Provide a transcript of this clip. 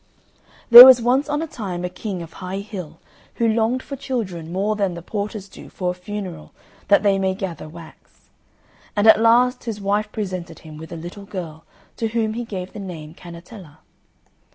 There was once on a time a King of High Hill who longed for children more than the porters do for a funeral that they may gather wax. And at last his wife presented him with a little girl, to whom he gave the name Cannetella.